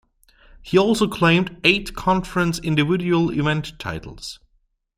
He also claimed eight conference individual event titles.